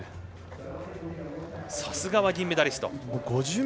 さすがは銀メダリスト。